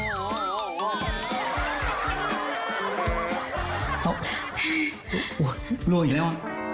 โอ้โฮร่วงอีกแล้ว